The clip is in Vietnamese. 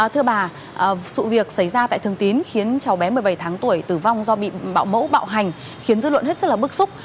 thưa bà vụ việc xảy ra tại thường tín khiến cháu bé một mươi bảy tháng tuổi tử vong do bị bạo mẫu bạo hành khiến dư luận hết sức là bức xúc